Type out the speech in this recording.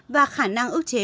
và khả năng ước chế